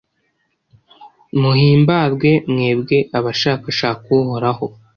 muhimbarwe, mwebwe abashakashaka uhoraho